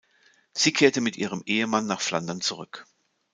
Sie kehrte mit ihrem Ehemann nach Flandern zurück.